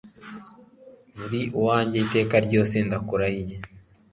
uri uwanjye iteka ryose ndakurahiriye